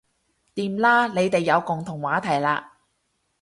掂啦你哋有共同話題喇